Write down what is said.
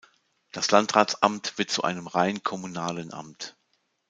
Das Landratsamt wird zu einem rein kommunalen Amt.